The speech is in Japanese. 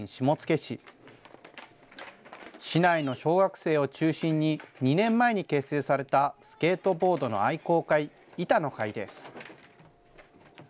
市内の小学生を中心に、２年前に結成されたスケートボードの愛好会、板の会です。